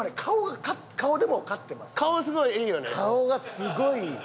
顔がすごいいいよね。